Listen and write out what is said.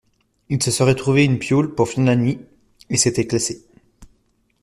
Ils se seraient trouvé une piaule pour finir la nuit, et c’était classé.